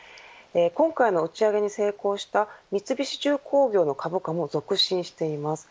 今回の打ち上げに成功した三菱重工業の株価も続伸しています。